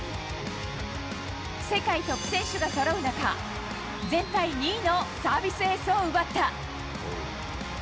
世界トップ選手がそろう中、全体２位のサービスエースを奪った。